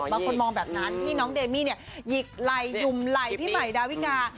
บางคนมองแบบนั้นที่น้องเดมี่เนี่ยหยิกไหล่ยุ่มไหล่พี่ใหม่ดาวิกา